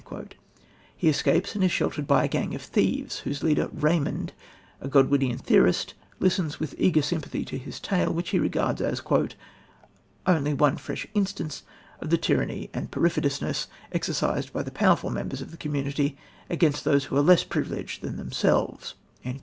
He escapes, and is sheltered by a gang of thieves, whose leader, Raymond, a Godwinian theorist, listens with eager sympathy to his tale, which he regards as "only one fresh instance of the tyranny and perfidiousness exercised by the powerful members of the community against those who are less privileged than themselves."